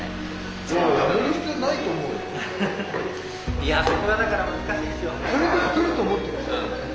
いやそこがだから難しいんですよ。